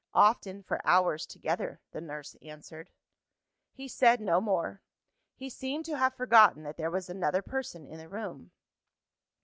"Often for hours together," the nurse answered. He said no more; he seemed to have forgotten that there was another person in the room.